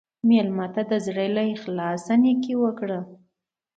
مېلمه ته د زړه له اخلاصه نیکي وکړه.